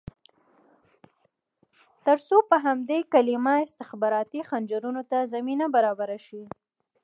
ترڅو په همدې کلمه استخباراتي خنجرونو ته زمینه برابره شي.